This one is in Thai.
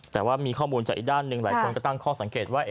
แต่ว่ามีข้อมูลจากอีกด้านหนึ่งหลายคนก็ตั้งข้อสังเกตว่า